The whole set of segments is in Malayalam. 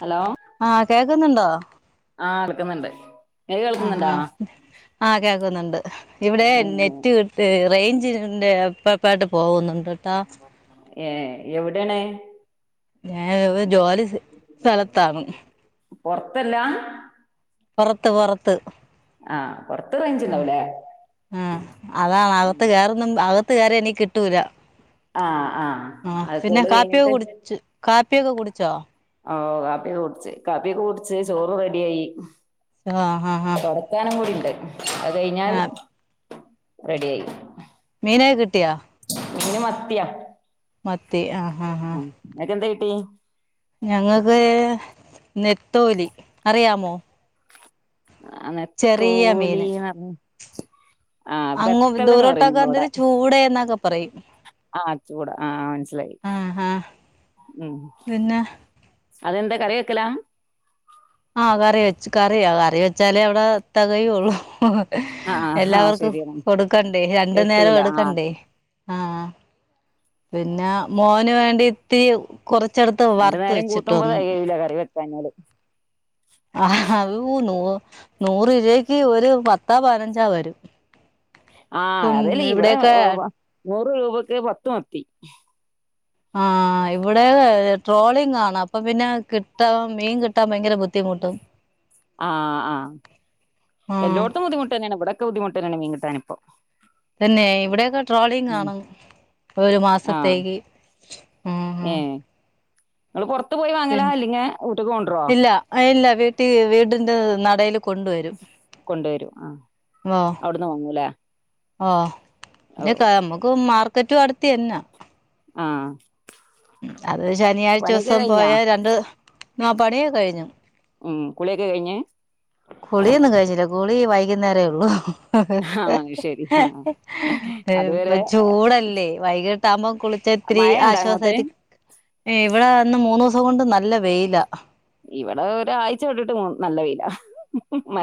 ഹലോ ആ കേക്ക്ന്നുണ്ടോ? ആ ൾക്ക്ന്ന്ണ്ട് ആ ആ ആ കേക്കുന്നുണ്ട് ഇവിടെ നെറ്റ് കിട്ട്ഏ റെയ്ൻ ഞ്ച് ഇണ്ട് അപ്പപ്പായിട്ട് പോകുന്നുണ്ട് ട്ടോ [unintelligible] ഏ എവ്ടെണ് അഴവിത് ജോലി സ് സ്ഥലത്താണ് പൊറത്തല്ലാ പൊറത്ത് പൊറത്ത് ആഹ പൊറത്ത് ആഹ് റേഞ്ച്ണ്ടാവുലേ ത്ത് കേറിയിനി കിട്ടൂല ആഹ്‌ ആഹ് അയ്കൂള് കയ്ഞ്ഞിട്ടന്നെ യൊക്കെ കുടിച്ചോ ഓ കാപ്പി ഒക്കെ കൂടിച്ച് കാപ്പിഒക്കെ കൂടിച്ച് ചോറ് റെഡിയായി ആഹ് ആഹ് ആഹ് തുടക്കാനും കൂടിണ്ട് അത് കയ്ഞ്ഞാൽ ആഹ് റെഡി ആയി മീനൊകെ കിട്ടിയാ ഇന് മത്തിയാ മത്ത് ത്തി ഹ ഹ ഹ ട്ടി നെത്തോലി അറിയാമോ അ ചെറിയ മീന് നെത്തോലീന്നർഞ് [inaudible] അങ്ങ് ദൂരോട്ടകാർതില് ചൂടെ ന്നക്ക പറയും ആഹ ചൂടാ ആഹ മനസിലായി ആഹ് ആഹ് ഉം പിന്നെ അതെന്താ കറി വെക്കലം ആഹ് കറി വെച്ച് കറിയ കറി വെച്ചാലെ ഇവിടെ തകയൊള്ളു ഇഹ്‌ ഹ്‌ ആഹ് ആഹ് എല്ലാവർക്കും ശരിയാണ് കൊടുക്കണ്ടേ രണ്ടു നേരം എത്തൂല ആഹ് എടുക്കണ്ടേ ആ ഹാ പിന്നെ മോന് വേണ്ടിഇത്തിരി രണ്ട്നേരം കൂട്ടുമ്പോ തെകയൂല കറി വെക്കാഞ്ഞാല് അ ഹവൂ നൂർ നൂറ് രൂവക്ക് ഒരു പത്താ പതിനഞ്ചാ വരും ആഹ് ഇപ്പം അതലീ ഇവിടെ ഇവിടെയൊക്കെ വ വ നൂറ് രൂപക്ക് പത്ത് മത്തി ആ ഇവിടെ ട്രോളിങ് ആണ് അപ്പൊ പിന്നെ കിട്ടാൻ മീൻ കിട്ടാൻ ഭയങ്കര ബുദ്ധ ആഹആ ആഹ് എല്ലോട്ത്തും ബുദ്ധിമുട്ടെനെണ് ഇവിടൊക്കെ ബുദ്ധിമുട്ട് ട്ടെന്നെണ് മീൻകിട്ടാനിപ്പോ തന്നെ ഇവിടെഒക്കെ ട്രോളിങ് ആണ് ഒരു ആഹ് മാസത്തേക്ക് ഉ ഹ ഏഹ് നിങ്ങള് പൊറത്ത് പോയി വാങ്ങലാ അല്ലിങ്ക ഊട്ട്ക്ക് കൊണ്ടാരോ വീട്ടി വീടിന്റെ നഡെൽ കൊണ്ടുവരും ആ ഓ അവിടുന്ന് വാങ്ങൂല്ലേ ഓ പിന്നെക്ക നമുക്ക് മാർക്കറ്റ്അടുത്തന്നെ ആഹ അത് ശനിയാഴ്ച ദിവസം പോയ രണ്ട് ആ പണിയൊക്കെ കഴിഞ്ഞു ഉം കുളിയൊക്കെ കഴിഞ്ഞ് കുളി ഒന്നും കഴിഞ്ഞില്ല കുളി വൈകുനേരെ ഉള്ളൂ ആഹ് ശരി ആഹ് ഇപ്പൊ അതുവരെ ചൂടല്ലേ വൈകിട്ട് തമ [unintelligible] കുളിച്ച ഇത്തിരി മഴ ഇണ്ടാ അങ്ങോട്ട് ആശ്വാസമായിട്ട് ഇവിടെ വന്ന് മൂന്ന് അതൊണ്ട് നല്ല വെയില ഇവിടെ ഒരാഴ്ച വിട്ടിട്ട് നല്ല വെയിൽ ആ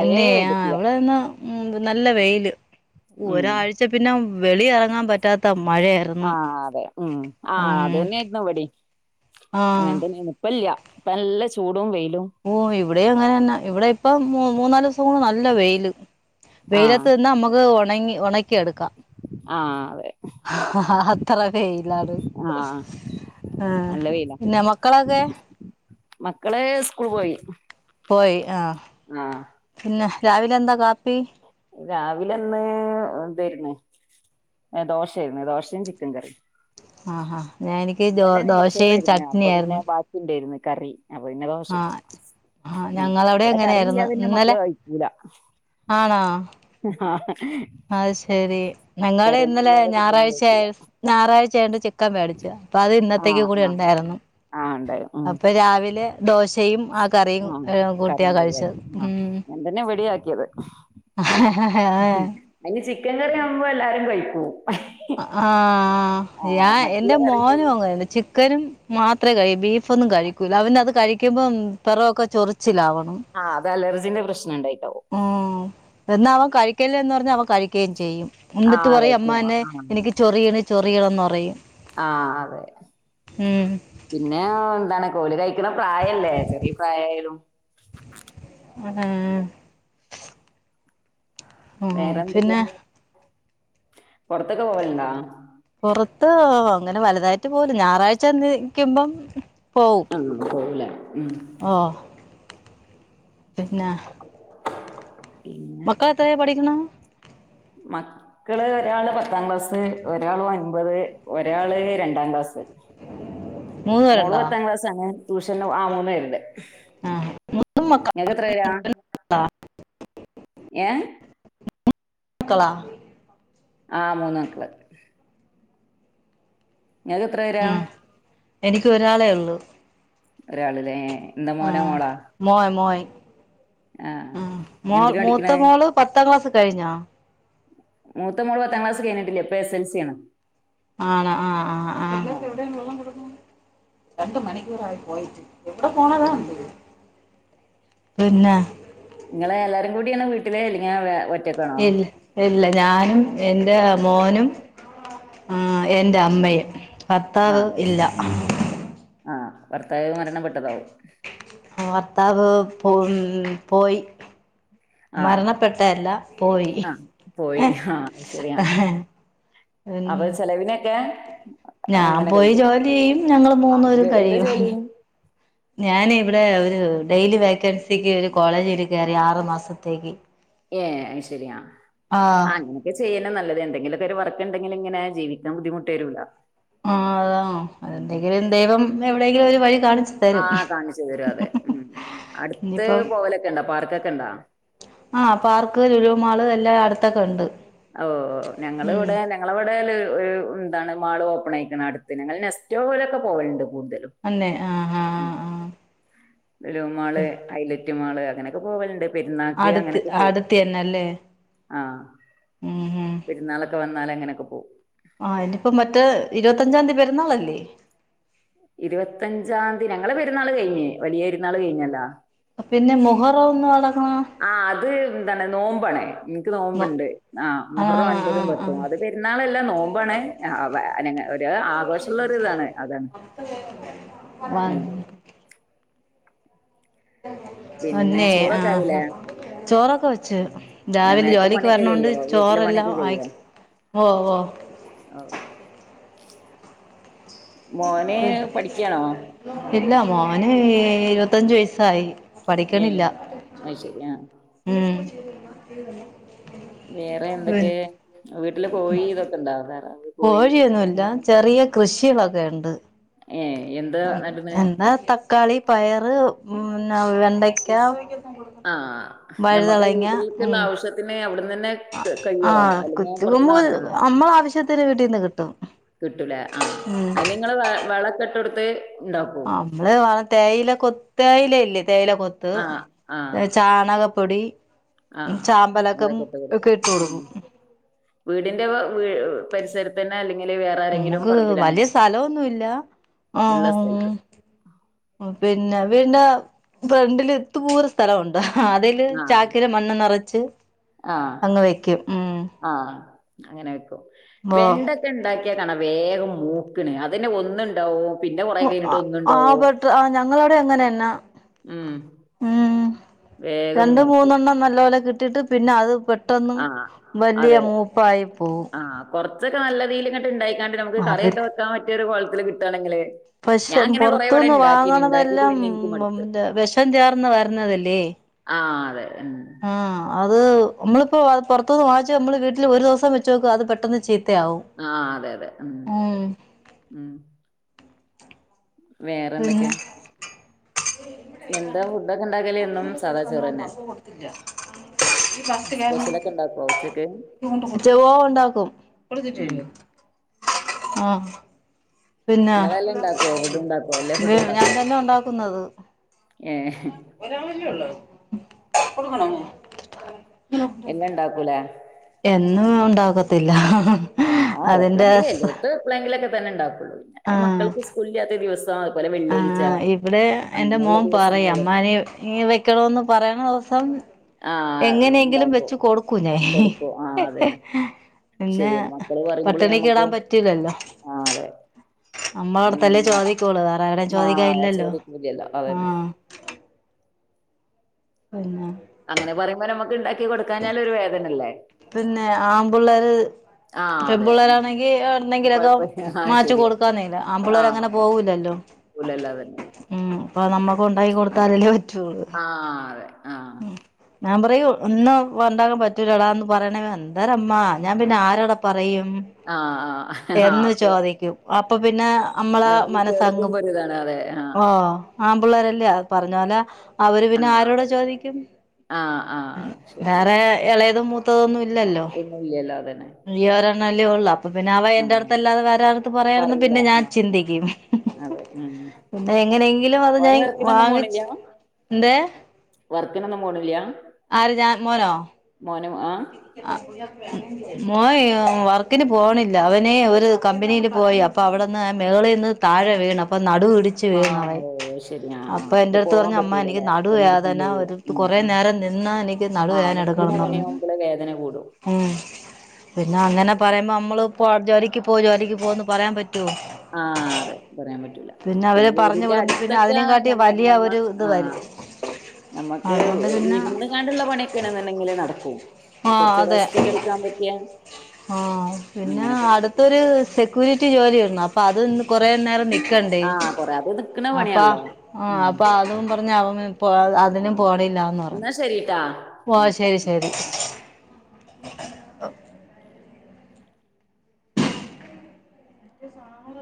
തന്നെ ആ് ഇവിടെന്നാ ഉ നല്ല വെയില് ഉം ഒരാഴ്ച പിന്നെ വെളി ഇറങ്ങാൻ പറ്റാത്ത മഴയായിരുന്നു ആഹ അതെ ഉ ആ് ഉം അത് തന്നെയായിരുന്നു ഇവിടിം ആഹ് അങ്ങനെന്തന്നെ ഇപ്പല്ല ഇപ്പ നല്ല ചൂടവും വെയി ഓ ഇവിടെ അങ്ങനെന്ന ഇവിടെ ഇപ്പൊ മ മൂന്നാല് ദിവസംകൊണ്ട് നല്ല വെയില് ആഹ് വെയിലത്ത് നിന്നാ നമ്മുക്ക് ണെങ്ങി ഒണെക്കി എട്ക്കാം ആഹ് അതെ അത്തെറ വെയിലാണ് ആഹ് ആഹ് നല്ല പിന്നെ മക്കളൊക്കെ? മക്കെൾ സ്കൂൾ പോയി പോയി ആഹ് ആഹ് ന്നെ രാവിലെ എന്താ കാപ്പി? രാവിലെ ഇന്ന് ഇതെയ്ര്ന്ന് ഏഹ് ദോശേയ്ര്ന്ന് ദോശേം ചിക്കെൻ കറിം ആഹ് ഹാ ഞാ എനിക്ക് ദോ ദോശേം നെയ്ച്ചോറായിരുന്നു അപ്പൊ പിന്നെ ചട്നിയായ്രുന്നു ബാക്കി ഉണ്ടായിരുന്നു കറി അപ്പ പിന്നെ ദോശ ചുട്ട്. ആഹ് ഉം ഞങ്ങളവിടെ ഇവെടെ അങ്ങനെയായിരുന്നു കറിയില്ലാതെ ഇന്റെ മക്കെൾ ഇന്നലെ കഴിക്കുലാ ആണോ? അത് ശെരി ഞങ്ങള് കറിയൊന്നും ഇന്നലെ ഇല്ലാതെ ഫുഡൊന്നും ഞായറാഴ്ചയ കഴിക്കൂല ഞായറാഴ്ച്ച ആയൊണ്ട് ചിക്കൻ മേടിച്ച് പ്പ അത് ഇന്നത്തേക്ക് ആഹ് കൂടി ആഹ് ഉണ്ടായിരുന്നു ആഹ് ഉണ്ടായി ഉം അപ്പ രാവിലെ ദോശ ആഹ് കറിണ്ടല്ലേ ആഹ് ഞാൻ തന്നെ ഇവിടെയാക്കി ക്കിയത് ആഹ് അതിന് ചിക്ക ക്കൻ കറി ആവുമ്പോ എല്ലാരും കഴിക്കൂ ആഹ് ഞാൻ മറ്റുള്ള എന്റെ കറികൾ മോനും അങ്ങനെ തന്നെ ചിക് ചക്കനും മാത്രെ കയിക്കു ബീ ഫൊന്നും കഴിക്കൂല്ല അവനത് കഴി ക്കുമ്പം പിറൊക്കെ ചൊറിച്ചിലാവണ് ജിന്റെ പ്രശ്നം ഇണ്ടായി ഉം എന്നാ അവൻ കഴിക്കല്ലന്ന് പറഞ്ഞ അവൻ കഴിക്കേയും ചെയ്യും എന്നിട്ട് ആഹ് പറയും അമ്മ കഴിക്കും എന്നെ ആഹ് എനിക്ക് ചൊറിയണ് ചൊറിയാന്നറയും ആഹ് അതെ പിന്നെ ന്താണ് കോല് കൈ ക്ക്ണ പ്രായല്ലേ ചെറീ പ്രായായാലും അഹ് ആഹ് അതെ ആഹ് പിന്നെ പൊർത്തൊക്കെ പോവല്ണ്ടാ പൊറത്ത് അങ്ങനെ വല്തായ്ട്ട് പോവല് ഞാറാഴ്ച്ചന്ന് ക്ക്മ്പം ആഹ് പോവുലേ ഉം പിന്നാ പി മക്കളെത്രേലാ പഠിക്ക്ണെ മക്കള് ഒരാള് പത്താം ക്ലാസ് ഒരാള് ഒൻപത് ഒരാള് രണ്ടാം ക്ലാസ് മൂന്ന് മോള് പേരുണ്ടോ പത്താം ക്ലാസ്സാണ് ട്യൂഷന്നും ആഹ് മൂന്ന് പേര്ണ്ട് ആഹ് മൂന്നും മക്ക നിനക്ക് എത്രെ പേരാ ഏഹ് ന്ന് മക്കളാ ആഹ് മൂന്ന് മക്കള് നിങ്ങക്ക് എത്രെ പേരാ ഉം എനിക്ക് ഒരാളെ ഒള്ളു ഒരാള്ലെ എന്താ മോനാ മോളാ മോൻ മോൻ ആഹ് മോൾ എന്തിനാ പഠിക്ക്ണേ? മൂത്ത മോള് പത്താം ക്ലാസ്സ് കഴിഞ്ഞോ മൂത്ത മോള് പത്താം ക്ലാസ്സ് കഴ്‌ഞ്ട്ടില്ല ഇപ്പ എസ്. എൽ. സി. ആണ് ആണോ ആഹ് ആഹ് ആഹ് രണ്ട് മണിക്കൂറായി പോയിറ്റ് എവിടെ പോണതാ പിന്നെ എതോരു പിന്നെ ഇങ്ങളെ എല്ലാരും കൂടിയാണ് വീട്ടിലെ ഇല്ലെങ്കി വേ വേ ഇല്ല [unintelligible] ഇല്ല ഞാനും എന്റെ മോനും ആഹ് എറ്റാമ്മയും ആഹ് ഭർത്താവ് അത് ഇല്ല ശരി. ആഹ് ഭർത്താവ് മരണപ്പെട്ടതാവും ഭർത്താവ് പോന് പോയി ആഹ് മരണപ്പെട്ടഅല്ല പോയി ആഹ് പോയി ആഹ് അത് ശരി ആഹ് ഉം അപ്പൊ ചെലവിനൊക്കെ ഞാൻ അങ്ങനെ പോയി കഴിയും. ജോലിയ്യും ഞങ്ങള് മൂന്ന് ആഹ് പേരും ജോ എന്താ കഴിയും ജോലി? ഞാനെ ഇവിടെ ഒരു ഡെയ്ലി വേക്കൻസിക്ക് ഒരു കോളേജില് കെറിയാ ആറ് മാസത്തേക്ക് ഏഹ് അഹ് ശരിയാ ആഹ് അങ്ങൻക്കെ ചെയ്യല് നല്ലത് എന്തെങ്കിലൊക്കെ ഒര് വർക്ക് ണ്ടെങ്കില് ഇങ്ങനെ ജീവിക്കാൻ ബുദ്ധിമുട്ട് വരൂല. ആഹ് അതാണ് ഉം അതെന്തെങ്കിലും ദൈവം എവി ടെങ്കിലും ഒര് വഴി കാണിച്ചു തരും ആഹ് കാണിച്ചു തരും അതെ ഉം അടുത്ത് ഇനിയിപ്പം പോവലൊക്കെ ഉണ്ടൊ പാർക്കൊക്കെ ഉണ്ടോ ല്ല അടുത്തൊക്കെ ണ്ട് ഓ ഞങ്ങള് ഇവിടെ ഞങ്ങളിവ്ടെ ലു [unintelligible] താണ് മാൾ ഓപ്പൺ അയിക്ക്‌ണ് അടുത്ത് ഞങ്ങള് നെസ്റ്റോവഴി പോവല്ണ്ട് അന്നെ ആഹ് ആഹ് ആഹ് ആഹ് ലുലു മാള് അയ്ലെ ലു മാള് അങ്ങനെക്കെ പോവല്ണ്ട് പെരുന്നാൾക്ക് അടുത്ത് അങ്ങനെയൊക്കെ പോവും അടുത്തന്നെല്ലേ ആഹ് ഉം ഉം പെരുന്നാളൊക്കെ വന്ന നാല ങ്ങനൊക്കെ പോവും ആ ഇനിയിപ്പോ മറ്റേ ഇരുപത്തഞ്ചാം തീയതി പെരുന്നാളല്ലേ ഇരുപത്തഞ്ചാം തീയതി ഞങ്ങളെ പെരുന്നാൾ കഴിഞ്ഞഞ് വലിയ പരുന്നാൾ കഴിഞ്ഞല്ലോ പിന്നെ മുഹറോന്നട ആ അത് ന്താണ് നോമ്പാണ് നിക്ക് നോ നോമ്പുണ്ട് ആ മുഹററും ആ ഒൻപതും ആ പത്തും അത് പെരുന്നാളെല്ല നോമ്പാണ് അ വ അനങ്ങ ഒരു ആഘോഷള്ള ഒര് ഇതാണ് അതാണ് പിന്നെ ഒന്നേ ചോറൊക്കെ ആഹ് ആയില്ലേ ഹ ചോറൊക്കെ വെച്ചു ഏ, രാവിലെ നേരത്തെ ജോലിക്ക് പണിയൊക്കെ വരണോണ്ട് കഴിയോ വീട്ടിലെ ചോറല്ലാം പണിയൊക്കെ ആയി കഴിയോ ഓ ഓ ഓ, മോന് പഠിക്കാണോ ഇല്ല മോന് ഏ ഇരുപത്തഞ്ച വയസായി ഏ അഹ് ശരിയാ ഉം വേറെ എന്തൊക്കെ വീട്ടില് പോയി ഇതൊക്കെണ്ടൊ താറാവ് കോഴി കോഴിയൊന്നുല്ല അങ്ങനൊക്കെ ചെറിയ കൃഷ് കഷികളൊക്കെ ഉണ്ട്. ഏ എന്താ ഉ നട്ണെ എന്താ തക്കാളി പയറ് ന വെണ്ടയ്ക്ക ആഹ് നമക്ക് വഴുതളങ്ങ വീട്ടില്ക്കുള്ള ഉം ആവശ്യത്തിന് അവിടു ത് ന്നെ ക് കയോ ആഹ് അല്ലെങ്കി പുറത്തിന്ന് കുത്തുകുമ്പോ വാങ്ങണോ നമ്മള ആവശ്യത്തിന് വീട്ടീന്ന് കിട്ടും കിട്ടുലേ ആ അയിന് ങ്ങള് വളക്കെ തെ അമ്മള് വള തേയില കൊത്തേയിലല് തേയിലക്കൊത്ത് ആ ആ ചാണകപ്പൊടി ആ ചാമ്പലക്കം ഒക്കെ ഇട്ട് കൊടുക്കും. പരിസരം തെ ന്നെ നമ്മുക്ക് വലിയ സ്ഥലമൊന്നും ഇല്ലആ ഇള്ള സ്ഥലത്ത് മ് പിന്നെ വീന്റെ ഫ്രണ്ടിൽ ത്ത് പൂലെ സ്ഥലം ഉണ്ട് ആ അതല് ആഹ് ചാക്കില മണ്ണ് നിറച്ച് ആഹ് അങ്ങ് വെക്കും മ്മ് ആഹ് അങ്ങനെ വെക്കും വെണ്ടൊക്കെ ഉണ്ടാക്കി കാണ വേഗം മൂക്കിണ് അതന്നെ ഒന്നണ്ടാവോ വോ ആ ആ അവിടെ ഞങ്ങളവിടെ എങ്ങനെന്നാ ഉം മ്മ് വേഗം രണ്ടും മൂക്കും മൂന്നെണ്ണം നല്ല പോോലെ കിട്ട ഇിട്ട് പിന്നെ അത് പെട്ടന്ന ആഹ് വലിയ മൂപ്പായി പോകവും ഇതക്കെ നല്ലതീല് ഇങ്ങട്ട് ണ്ടാക്കി നമു കറയൊക്ക വൊൻ പറ്റ ഒരു കുഴം വിടെ കിട്ടാണെങ്കില് പക്ഷെ ഞാൻ അങ്ങനെ കൊറേ ഇവിടെ പുറത്തുന്ന് ഇണ്ടാക്കീന് ഇണ്ടാക്കീട്ട് വാങ്ങണതെല്ലാം പിന്നെ ഇൻക്ക് മടുത്ത് വെഷം ചേർന്ന് വരുന്നതല്ലേ ആഹ് അതെ ഉം ആ അത് നമ്മളിപ്പോ പുറത്തുന്ന് വാങ്ങിച്ച് നമ്മള് വീട്ടിൽ ഒരു ദിവസം വെച്ച് നോക്കു അത് പെട്ടെന്ന് ചെയ് ആ അതെ അതെ ഉം ഉം വേറെ പിന്നെ എന്തൊക്കെ എന്താ പ സ്പെഷ്യലൊക്കെ ഉണ്ടാക്കോ ഉച്ചക്ക് ഉം [unintelligible] ആ ആ പിന്നെ നിങ്ങളെല്ലാം ഉണ്ടാക്കുവോ ഫുഡ് ഉണ്ടാക്കോ എല്ലാ ഫുഡും ഞാൻ ഉണ്ടാക്കോ തന്നെ ഉണ്ടാക്കുന്നത് ഏഹ് ഒരാളല്ലെ ഉള്ളൂ കുടുക്കണ എല്ലം ഇണ്ടാക്കൂലേ എന്നും ഉണ്ടാക്കത്തില്ല ആ അതിന്റെ എപ്പ്ളെങ്കിലും സ് എല്ലട്ട് എപ്പ്ളെങ്കിലോക്കെ [unintelligible] ഞാന് മക്കൾക്ക് സ്ക്കൂൾക്ക്‌ അത് ആ ഇവിടെ എന്റെ അങ്ങനെയുള്ള മോൻ പറയും ദിവസങ്ങളിലൊക്കെ അമ്മാനെ ഈ വെക്ക്‌ണ്ന്ന് പറയ്ണ സം ആഹ് എങ്ങനെയെങ്കിലും ഉണ്ടാക്കും വെച്ച്ു കൊടുക്കൂ ഞാൻ കൊടുക്കും ആഹ് അതന്നെ പിന്നെ ശരിയാണ് മക്കള് പറയുമ്പോള് പട്ടണിക്ക് ഞമ്മക്ക് ഇടാൻ പറ്റില്ലല്ലോ ആഹ് അതെ നമ്മള് അടുത്തല്ലേ എങ്ങനെങ്കിലും ചോദിക്കോളു വേറെ എവിടയും ആഹ് ചോദിക്കാല്ലല്ലോ ചോദിക്കൂലല്ലോ ആ അതന്നെ [unintelligible] അങ്ങനെ പറയുമ്പം നമക്ക് ഉണ്ടാക്കി കൊടുക്കാനാലും ഒരു വേദനല്ലേ പിന്നെ ആമ്പിള്ളാര് ആഹ് അതെ ടമ്പിള്ളരാണെങ്കി എന്തെങ്കിലൊക്കെ കൊഴപ്പ ആഹ് മാറ്റി ശരിയാ കൊടുക്കാന്നേല ആമ്പിള്ളേര് ആഹ് അങ്ങനെ പോകൂലല്ലോ സ്കൂളല്ലാതെ തന്നെ ഉം അപ്പൊ നമ്മക്ക് ഉണ്ടാക്കികോ അല്ല പി ആ അതെ ആ ആഹ ഞാൻ പറയും ഇന്നും വന്നാപറ്റൂലടാ എന്ന് പറയണെ എന്തേരമ്മാ ഞാൻ പിന്നെ ആരോടാ പറയും ആ ആ ആ എന്ന് അപ്പൊ ചോദിക്കും അപ്പൊ പിന്നെ നമ്മളെ നമുക്ക് മനസ്സങ് കേൾക്കുമ്പോ ഒരിതാണ് അതെ ആ ഓ ആമ്പിള്ളേരെല്ലേ പറഞ്ഞാല അവര് ആ പിന്നെ ആരോടാ അതെ ചോദിക്ക് ആ ആ ശരിയാണ് വേറെ എള എളേതും മൂത്തതും ഒന്നും ഇല്ലല്ലോ ഒന്നുമില്ലല്ലോ അതന്നെ തയാറാക് ന്നാല്ലേ ഒള്ളാ അപ്പൊ പിന്നെ അവൻ ആ എന്റെറടുത്ത് അല്ലാതെ വേറാരടുത്ത് അപ്പൊ പറയണം അറിയില്ല പിന്നെ ഞാൻ ആ ചിന്തിക്കും അതെ ഉം പിന്നെ എങ്ങനെയെങ്കിലും അത് ഓന് ഞാൻ വർക്കിനൊന്നും വാങ്ങിച്ച് പോണില്ല എന്തേ വർക്നൊന്നും പോണില്ല ആര് ഞാ മോനോ മോനും ആ ഇ ആ [unintelligible] മോയ് വർക്കിന് പോണില്ല അവന് ഒരു കമ്പനിയിൽ പോയി അപ്പൊ അവിടെന്ന് മേളീന്ന് താഴെ വീണ് അപ്പൊ നടു ഇടിച്ചു ആ വീണവൻ ഓ ശരി ആ ആ അപ്പൊ ഇപ്പൊ എൻറടുത്ത് പോവാൻ പറഞ്ഞ് അമ്മാ എനിക്ക് പറ്റൂലല്ലേ പണിയെടുക്കാൻ നടുവേദന കഴിയൂല ഒരു ആ കുറെ ആ നേരം നിന്നാ എനിക്ക് ആ നടുവേദന നിക്കണ എടുക്കണെന്ന് പറഞ്ഞ് പണിയാവുമ്പോള് വേദന കൂടും ഉം പിന്നെ അങ്ങനെ പറയുമ്പോ അമ്മള് പോ ജോലിക്ക് പോ ജോലിക്ക് പോ എന്ന് പറയാൻ പറ്റു ആഹ അതെ പറയാൻ പറ്റൂല അവര് പിന്നെ പറഞ്ഞു വീടിന്റെ വിടുമ്പോ പിന്നെ അടുത്തൊക്കെ അതിനേം ആന്നെങ്കി കാട്ടി നമ്മ വലിയ നമ്മ ഒരു ഇത് ആഹ് വരും നമ്മക്ക് അതുകൊണ്ട് പിന്നെ ഇരുന്ന് കാണ്ടുള്ള പണിയൊക്കെണെന്നുണ്ടെങ്കിലേ നടക്കൂ ആ അതെ ആ പിന്നെ അങ്ങനെയൊക്കെ നടക്കും അടുത്തൊരു സെക്യൂരിറ്റി ജോ ജോലി വന്നു അപ്പോ അത് കുറേ നേരം ക്കണ്ടേ ആഹ് കൊറേ അത് നിക്കണ അപ്പ പണിയാണല്ലോ ആ ഉം അപ്പ അതും പറഞ്ഞാവുമോ പോ അതിനും ആഹ് പോണില്ലാന്ന് പറഞ്ഞു എന്നാ ശരിട്ടാ ഓ ശരി വിളിക്കാം ശരി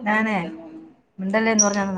ഞാനേ മിണ്ടല്ലേ എന്ന് പറഞ്ഞ